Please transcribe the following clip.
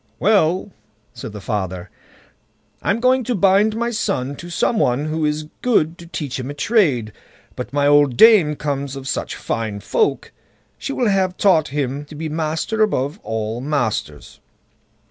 "Well!" said the father, "I'm going to bind my son to some one who is good to teach him a trade; but my old dame comes of such fine folk, she will have him taught to be master above all masters."